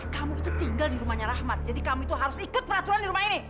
kamu itu tinggal di rumahnya rahmat jadi kamu itu harus ikut peraturan di rumah ini